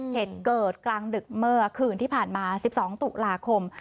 เหตุเกิดกลางดึกเมื่อคืนที่ผ่านมา๑๒ตุลาคม